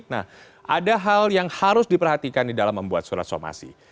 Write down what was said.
nah ada hal yang harus diperhatikan di dalam membuat surat somasi